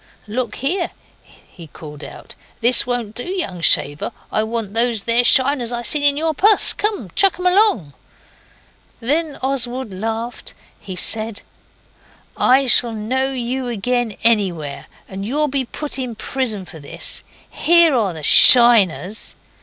'Look here,' he called out, 'this won't do, young shaver. I want those there shiners I see in your pus! Chuck 'em along!' Then Oswald laughed. He said 'I shall know you again anywhere, and you'll be put in prison for this. Here are the SHINERS.